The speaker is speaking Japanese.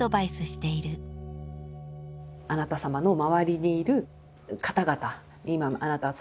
あなた様の周りにいる方々